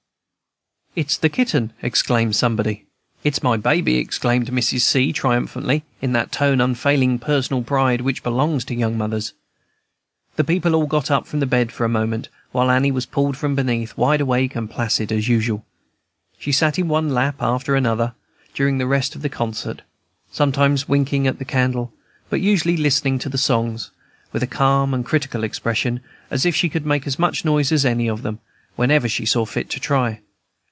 "It's the kitten," exclaimed somebody. "It's my baby!" exclaimed Mrs. C. triumphantly, in that tone of unfailing personal pride which belongs to young mothers. The people all got up from the bed for a moment, while Annie was pulled from beneath, wide awake and placid as usual; and she sat in one lap or another during the rest of the concert, sometimes winking at the candle, but usually listening to the songs, with a calm and critical expression, as if she could make as much noise as any of them, whenever she saw fit to try.